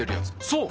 そう！